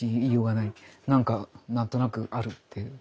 なんか何となくあるっていう。